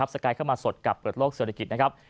สกายเข้ามาสดกับเปิดโลกเศรษฐกิจนะครับ